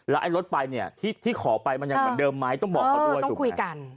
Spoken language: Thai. แล้วไอ้ลดไปเนี่ยที่ขอไปมันยังเหมือนเดิมไหมต้องบอกเขาด้วย